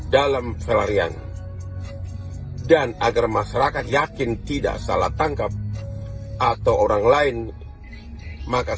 dalam pelarian dan agar masyarakat yakin tidak salah tangkap atau orang lain maka